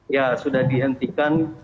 ya sudah dihentikan